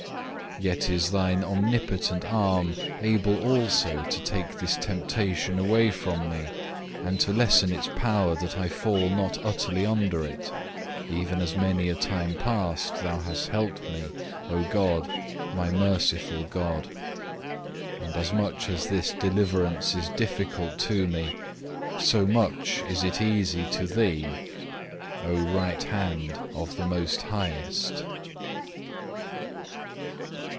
Yet is Thine omnipotent arm able also to take this temptation away from me, and to lessen its power that I fall not utterly under it, even as many a time past thou has helped me, O God, my merciful God. And as much as this deliverance is difficult to me, so much is it easy to Thee, O right hand of the most Highest.